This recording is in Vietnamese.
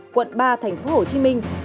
quận ba thành phố hồ chí minh